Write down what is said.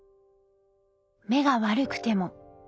目が悪くても。